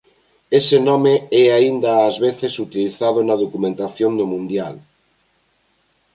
Ese nome é aínda ás veces utilizado na documentación do Mundial.